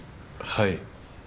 はい。